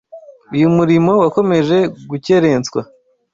Uyu murimo wakomeje gukerenswa